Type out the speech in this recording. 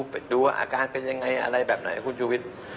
ไปดูว่าอาการเป็นยังไงอะไรแบบไหนคุณชูวิทย์